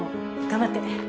頑張って。